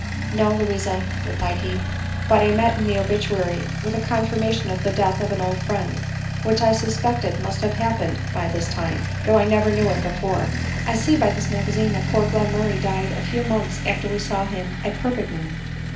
" No, Louisa," replied he, " but I met in the obituary with a confirmation of the death of an old friend, which I suspected must have happened by this time, though I never knew it before ; I see by this magazine that poor Glenmurray died a very few months after we saw him at Perpignan."